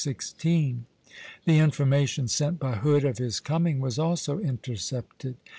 The information sent by Hood of his coming was also intercepted.